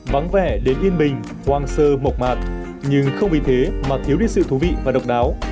vắng vẻ đến yên bình quang sơ mộc mạc nhưng không vì thế mà thiếu đi sự thú vị và độc đáo